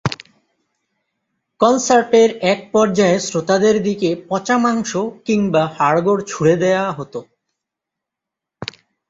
কনসার্টের এক পর্যায়ে শ্রোতাদের দিকে পচা মাংস কিংবা হাড়গোড় ছুঁড়ে দেওয়া হতো।